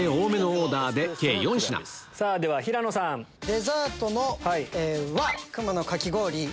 デザートのＷＡ‼くまのかき氷。